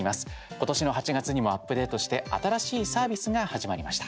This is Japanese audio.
今年の８月にもアップデートして新しいサービスが始まりました。